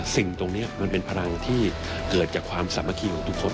สิ่งตรงนี้มันเป็นพลังที่เกิดจากความสามัคคีของทุกคน